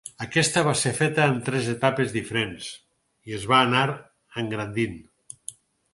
Aquesta va ser feta en tres etapes diferents i es va anar engrandint.